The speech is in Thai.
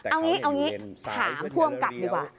เอาอย่างนี้ถามผู้องกับดีกว่า